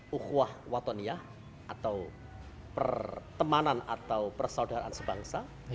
bukuah watoniah atau pertemanan atau persaudaraan sebangsa